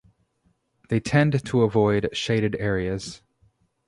They tend to avoid shaded areas.